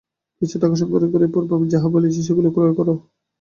কিছু টাকা সংগ্রহ করিয়া পূর্বে আমি যাহা বলিয়াছি, সেইগুলি ক্রয় কর।